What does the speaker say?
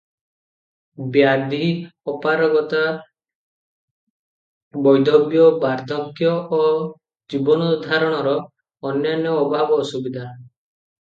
ବ୍ୟାଧି, ଅପାରଗତା, ବୈଧବ୍ୟ, ବାର୍ଦ୍ଧକ୍ୟ ଓ ଜୀବନଧାରଣର ଅନ୍ୟାନ୍ୟ ଅଭାବ ଅସୁବିଧା ।